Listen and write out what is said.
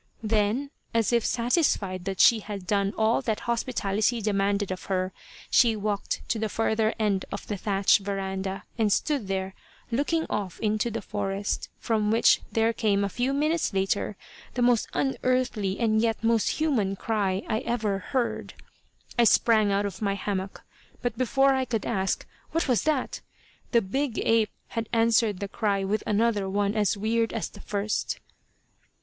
Then, as if satisfied that she had done all that hospitality demanded of her, she walked to the further end of the thatch verandah and stood there looking off into the forest, from which there came a few minutes later the most unearthly and yet most human cry I ever heard. I sprang out of my hammock, but before I could ask, "what was that?" the big ape had answered the cry with another one as weird as the first.